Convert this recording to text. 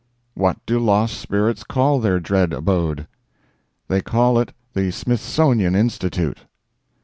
"What do lost spirits call their dread abode?" "They call it the Smithsonian Institute."